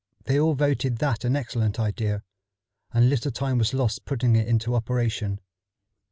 They all voted that an excellent idea, and little time was lost putting it into operation.